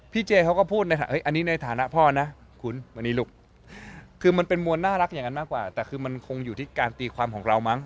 เจเขาก็พูดนะครับอันนี้ในฐานะพ่อนะคุณวันนี้ลูกคือมันเป็นมวลน่ารักอย่างนั้นมากกว่าแต่คือมันคงอยู่ที่การตีความของเรามั้